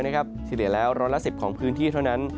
เฉลี่ยแล้วร้อยละ๑๐ของพื้นที่เท่านั้น